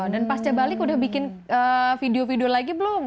dan pas ya balik udah bikin video video lagi belum